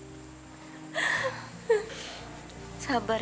dan pesta tanda itu